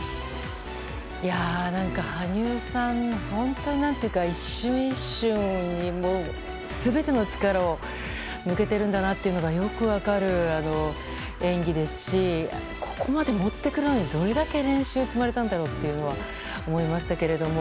羽生さん、本当に何ていうか一瞬一瞬に全ての力を向けているんだなというのがよく分かる演技ですしここまで持ってくるのにどれだけ練習を積まれたんだろうと思いましたけれども。